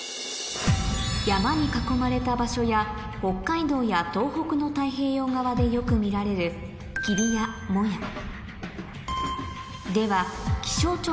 山に囲まれた場所や北海道や東北の太平洋側でよく見られる近藤さんは。